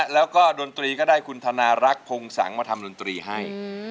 แล้วก็ดนตรีก็ได้คุณธนารักษ์พงศังมาทำดนตรีให้